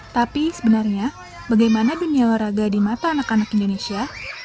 tapi sebenarnya bagaimana dunia olahraga di mata anak anak indonesia